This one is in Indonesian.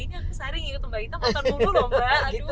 ini aku sehari ngikutin mbak ita makan mulu loh mbak